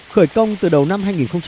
khởi công từ đầu năm hai nghìn một mươi sáu